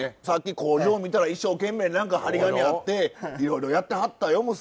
さっき工場見たら一生懸命何か貼り紙あっていろいろやってはったよ